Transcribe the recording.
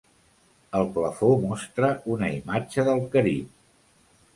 El plafó mostra una imatge del Carib.